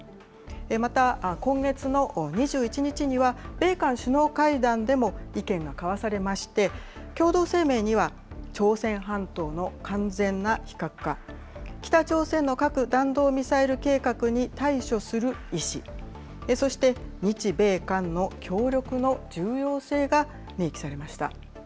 また今月の２１日には、米韓首脳会談でも意見が交わされまして、共同声明には朝鮮半島の完全な非核化、北朝鮮の核・弾道ミサイル計画に対処する意思、そして、日米韓の協力の重要性が明記されました。